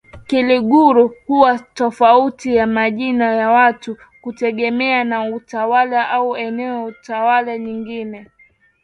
Kiluguru kuna tofauti ya majina ya watu kutegemea na tawala au eneo tawala nyingine